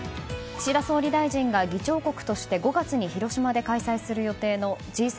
岸田総理大臣が議長国として５月に広島で開催する予定のＧ７